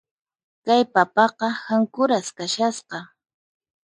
Kay papaqa hankuras kashasqa.